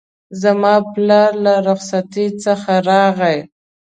زما پلار له رخصتی څخه راغی